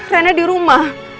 rena di rumah